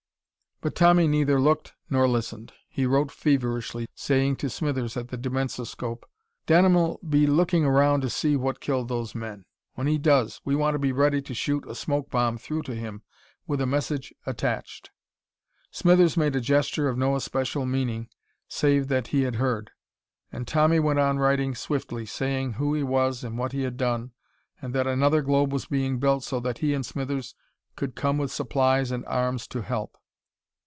But Tommy neither looked nor listened. He wrote feverishly, saying to Smithers at the dimensoscope: "Denham'll be looking around to see what killed those men. When he does, we want to be ready to shoot a smoke bomb through to him, with a message attached." Smithers made a gesture of no especial meaning save that he had heard. And Tommy went on writing swiftly, saying who he was and what he had done, and that another globe was being built so that he and Smithers could come with supplies and arms to help....